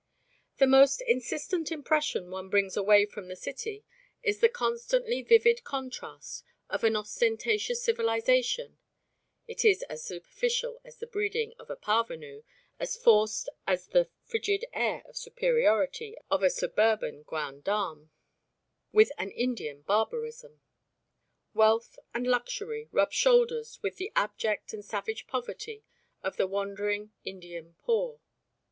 The most insistent impression one brings away from the city is the constantly vivid contrast of an ostentatious civilisation (it is as superficial as the breeding of a parvenu, as forced as the frigid air of superiority of a suburban grande dame) with an Indian barbarism. Wealth and luxury rub shoulders with the abject and savage poverty of the wandering Indian poor.